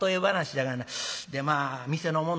でまあ店の者